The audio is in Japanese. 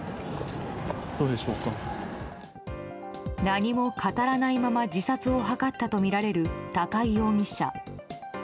何も語らないまま自殺を図ったとみられる高井容疑者。